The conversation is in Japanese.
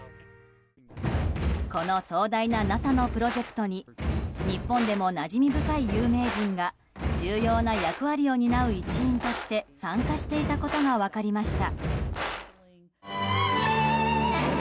この壮大なＮＡＳＡのプロジェクトに日本でもなじみ深い有名人が重要な役割を担う一員として参加していたことが分かりました。